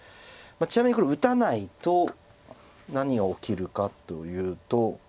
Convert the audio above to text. ちなみにこれ打たないと何が起きるかというと。